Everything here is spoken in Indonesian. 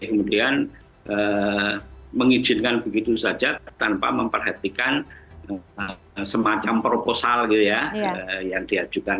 kemudian mengizinkan begitu saja tanpa memperhatikan semacam proposal gitu ya yang diajukan